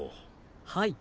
はい。